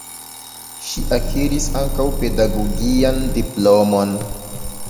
Ŝi akiris ankaŭ pedagogian diplomon.